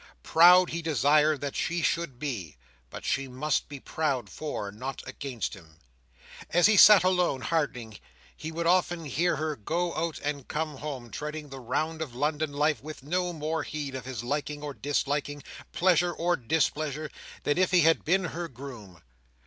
Proud he desired that she should be, but she must be proud for, not against him. As he sat alone, hardening, he would often hear her go out and come home, treading the round of London life with no more heed of his liking or disliking, pleasure or displeasure, than if he had been her groom.